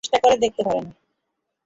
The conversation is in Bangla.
চেষ্টা করে দেখতে পারেন।